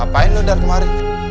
apaan lu dari kemarin